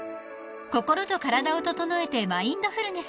［心と体を整えてマインドフルネス］